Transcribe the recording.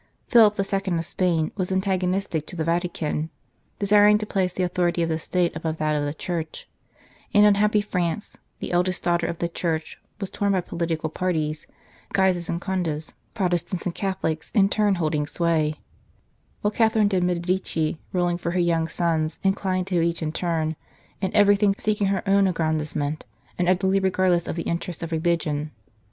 Philip II. of Spain was antagonistic to the Vatican, desiring to place the authority of the State above that of the Church ; and unhappy France, the eldest daughter of the Church, was torn by political parties, Guises and Conde"s, Protestants and Catholics, in turn holding sway ; while Catherine de Medici, ruling for her young sons, inclined to each in turn, in everything seek ing only her own aggrandisement, and utterly regardless of the interests of religion.